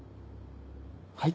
はい？